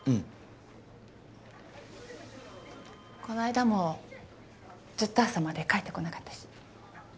この間もずっと朝まで帰ってこなかったし。